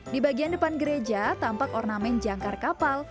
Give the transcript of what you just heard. di bagian depan gereja tampak ornamen jangkar kapal